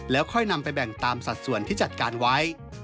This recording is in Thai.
แล้วค่อยนำไปแบ่งตามสัดส่วนที่จัดการไว้